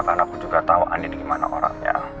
karena aku juga tau andin gimana orangnya